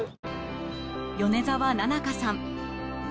米澤奈々香さん